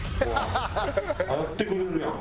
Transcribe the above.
やってくれるやん！